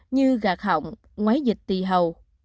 như gạt hỏng ngoái dịch tì hầu